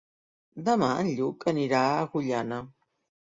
Demà en Lluc anirà a Agullana.